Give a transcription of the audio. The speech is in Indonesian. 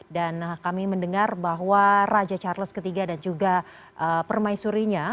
kami mendengar bahwa raja charles iii dan juga permaisurinya